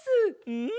うん。